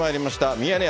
ミヤネ屋